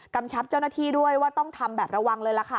ชับเจ้าหน้าที่ด้วยว่าต้องทำแบบระวังเลยล่ะค่ะ